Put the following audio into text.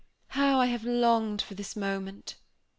how I have longed for this moment!"